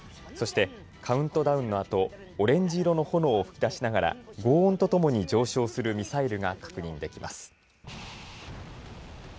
そしてカウントダウンのあとオレンジ色の炎を噴き出しながらごう音とともに上昇するミサイルが確認できます。